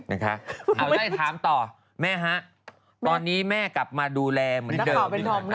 เอาไล่ถามต่อแม่ฮะตอนนี้แม่กลับมาดูแลเหมือนเดิม